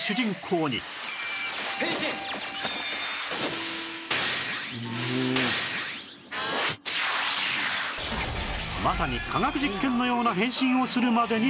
まさに科学実験のような変身をするまでに進化